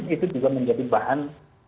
itu juga menjadi bahan